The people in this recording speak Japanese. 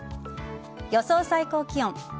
予想最高気温。